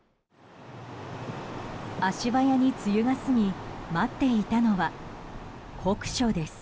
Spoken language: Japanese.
足早に梅雨が過ぎ待っていたのは酷暑です。